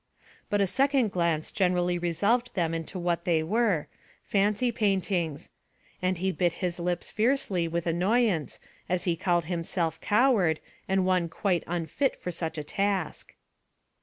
But a second glance generally resolved them into what they were, fancy paintings, and he bit his lips fiercely with annoyance as he called himself coward and one quite unfit for such a task.